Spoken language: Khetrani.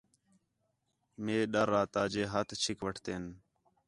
مئے ڈر آ تاجے ہتھ چھک وٹھتین